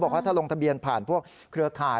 บอกว่าถ้าลงทะเบียนผ่านพวกเครือข่าย